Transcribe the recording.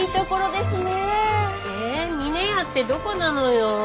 で峰屋ってどこなのよ？